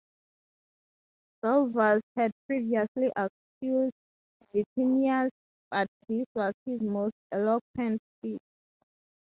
Calvus had previously accused Vatinius, but this was his most eloquent speech.